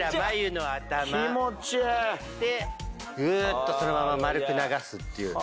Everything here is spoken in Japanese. でグーッとそのまま丸く流すっていう。